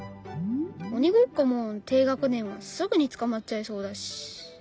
鬼ごっこも低学年はすぐに捕まっちゃいそうだし。